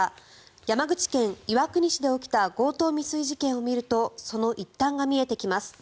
山口県岩国市で起きた強盗未遂事件を見るとその一端が見えてきます。